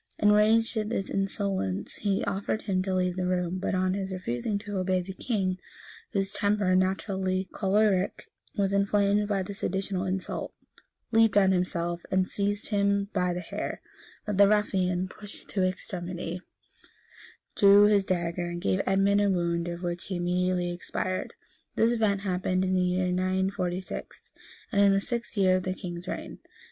Enraged at this insolence, he ordered him to leave the room; but on his refusing to obey, the king, whose temper, naturally choleric, was inflamed by this additional insult, leaped on him himself, and seized him by the hair; but the ruffian, pushed to extremity, drew his dagger, and gave Edmund a wound of which he immediately expired. This event happened in the year 946, and in the sixth year of the king's reign.